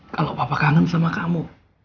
kalau papa kangen sama kamu